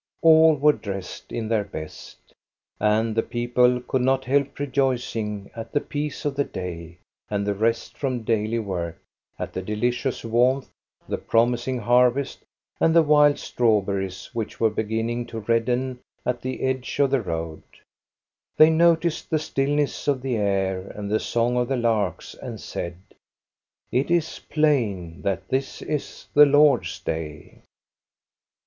All were dressed in their best And the people could not help rejoicing at the 20 306 THE STORY OF GOSTA BE RUNG peace of the day and the rest from daily work, at the delicious warmth, the promising harvest, and the wild strawberries which were beginning to redden at the edge of the road. They noticed the stillness of the air and the song of the larks, and said :'' It is plain that this is the Lord's day."